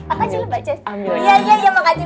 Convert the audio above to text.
apaan sih lo mbak cis